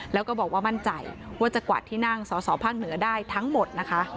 แล้วก็บอกว่ามั่นใจว่าจะกวาดที่นั่งสอสอภาคเหนือได้ทั้งหมดนะคะ